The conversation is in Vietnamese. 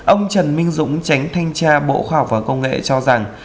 ông trần minh dũng tránh thanh tra bộ khoa học và công nghệ cho rằng